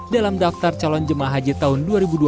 dalam daftar calon jemaah haji tahun dua ribu dua puluh